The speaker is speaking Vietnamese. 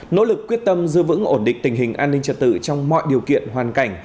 nỗ lực quyết tâm giữ vững ổn định tình hình an ninh trật tự trong mọi điều kiện hoàn cảnh